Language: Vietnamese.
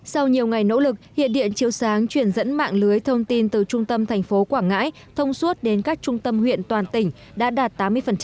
sau nhiều ngày nỗ lực hiện điện chiều sáng chuyển dẫn mạng lưới thông tin từ trung tâm thành phố quảng ngãi thông suốt đến các trung tâm huyện toàn tỉnh đã đạt tám mươi